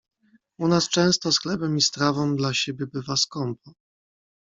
"U nas często z chlebem i strawą dla siebie bywa skąpo..."